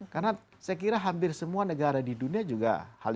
karena saya kira hampir semua negara di dunia juga